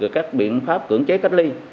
các biện pháp cưỡng chế kết ly